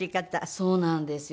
そうなんですよ。